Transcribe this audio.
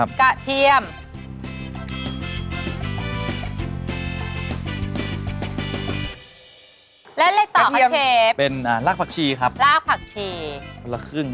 มีกิโหน่ววเสร็จเล็กน้อย